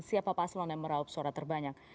siapa paslon yang meraup suara terbanyak